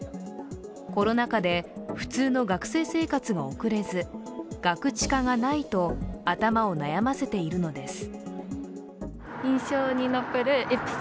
コロナ禍で普通の学生生活が送れず、ガクチカがないと頭を悩ませているのです。